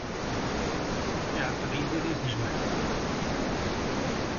Iɛeṭṭel Yidir di tejmaɛt.